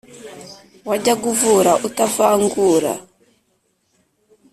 Wajyaga uvura utavangura